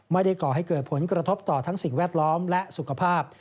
ก่อให้เกิดผลกระทบต่อทั้งสิ่งแวดล้อมและสุขภาพ